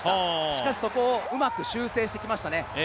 しかしそこをうまく修正してきましたね。